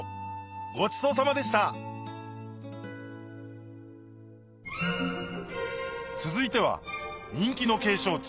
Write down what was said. ごちそうさまでした続いては人気の景勝地